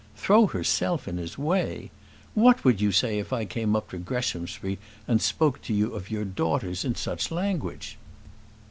"Throw herself in his way! What would you say if I came up to Greshamsbury, and spoke to you of your daughters in such language?